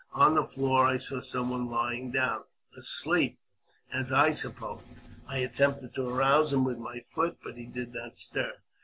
On the floor I saw some one lying down, asleep, as I supposed. I attempted to arouse him with my foot, but he did not stir.